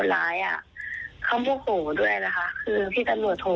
ที่หนูรู้สึกว่าถ้าหนูออกไปจากตรงนั้น